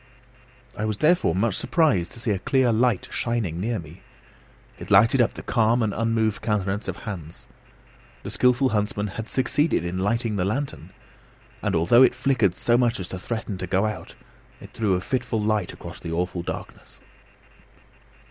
I was therefore much surprised to see a clear light shining near me. It lighted up the calm and unmoved countenance of Hans. The skilful huntsman had succeeded in lighting the lantern; and although it flickered so much as to threaten to go out, it threw a fitful light across the awful darkness.